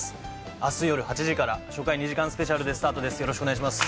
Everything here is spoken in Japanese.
明日よる８時から初回２時間スペシャルでスタートです。